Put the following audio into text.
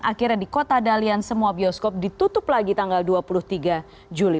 akhirnya di kota dalian semua bioskop ditutup lagi tanggal dua puluh tiga juli